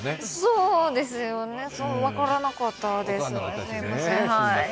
そうですよね、分からなかったですよね。